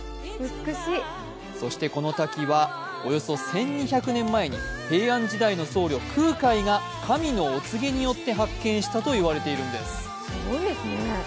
この滝はおよそ１２００年前に平安時代の僧侶・空海が神のお告げによって発見されたと言われているんです。